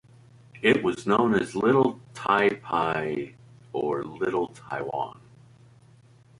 It was known as Little Taipei or Little Taiwan.